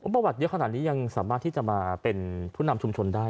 ประวัติเยอะขนาดนี้ยังสามารถที่จะมาเป็นผู้นำชุมชนได้